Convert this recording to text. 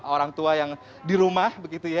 orang tua yang di rumah